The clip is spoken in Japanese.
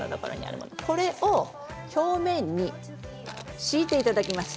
これを表面に敷いていただきます。